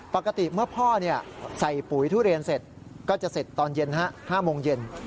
ปกติเมื่อพ่อใส่ปุ๋ยทุเรียนเสร็จก็จะเสร็จตอนเย็น๕โมงเย็น